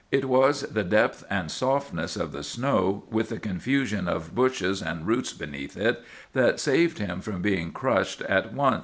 It was the depth and softness of the snow, with the confusion of bushes and roots beneath it, that saved him from being crushed at once.